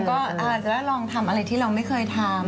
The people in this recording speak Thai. ก็อาจจะได้ลองทำอะไรที่เราไม่เคยทำ